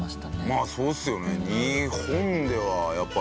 まあそうですよね。